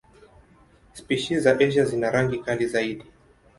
Spishi za Asia zina rangi kali zaidi.